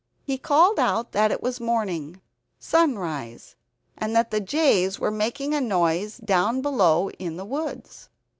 He called out that it was morning sunrise; and that the jays were making a noise down below in the woods.